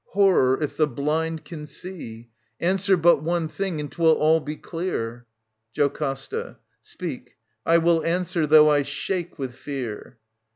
Horror, if the blind can see ! Answer but one thing and 'twill all be clear. JOCASTA. Speak. I will answer though I shake with fear.